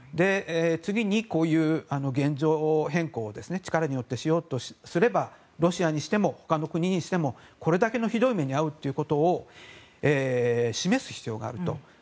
次に、こういう現状変更を力によってしようとすればロシアにしても他の国にしてもこれだけのひどい目に遭うってことを示す必要がある。